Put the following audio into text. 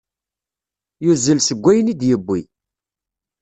Yuzzel seg ayen i d-yewwi.